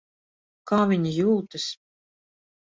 Kā viņa jūtas?